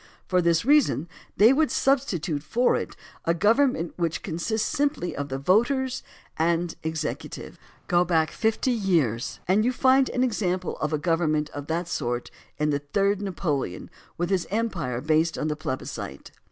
For this reason they would substitute for it a government which consists simply of the voters and executive. Go back fifty years and you find an example of a government of that sort in the Third Napoleon with his empire based on the plebiscite.